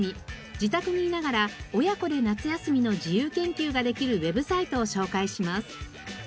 自宅にいながら親子で夏休みの自由研究ができるウェブサイトを紹介します。